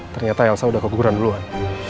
ternyata elsa udah keguguran duluan